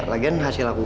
lagian hasil aku gak bisa